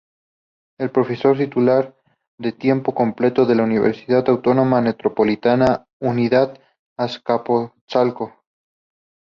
Es profesor titular de tiempo completo en la Universidad Autónoma Metropolitana, unidad Azcapotzalco.